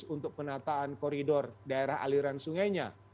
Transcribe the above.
menjaga kataan koridor daerah aliran sungainya